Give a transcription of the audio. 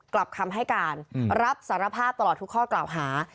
กลับคำให้การรับสารภาพตลอดทุกข้อกล่าวหา